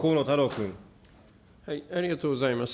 ありがとうございます。